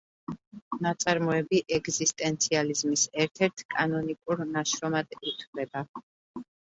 ნაწარმოები ეგზისტენციალიზმის ერთ-ერთ კანონიკურ ნაშრომად ითვლება.